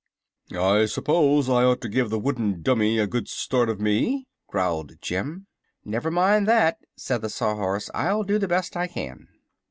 "I suppose I ought to give the wooden dummy a good start of me," growled Jim. "Never mind that," said the Sawhorse. "I'll do the best I can."